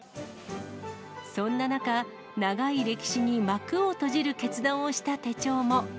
そんな中、長い歴史に幕を閉じる決断をした手帳も。